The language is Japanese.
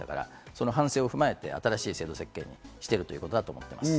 その反省を踏まえて新しい施策にしてることだと思います。